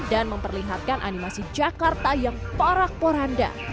dan memperlihatkan animasi jakarta yang parak poranda